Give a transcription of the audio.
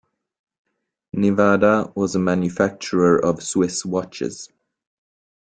Nivada was a manufacturer of Swiss watches.